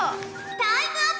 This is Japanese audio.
タイムアップ！